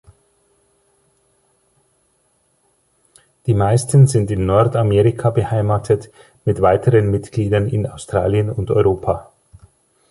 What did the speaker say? Die meisten sind in Nordamerika beheimatet, mit weiteren Mitgliedern in Australien und Europa.